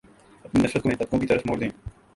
اپنی نفرت کو ان طبقوں کی طرف موڑ دیں